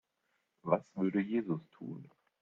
Was würde Jesus tun?